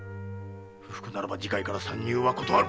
不服ならば次回から参入は断る！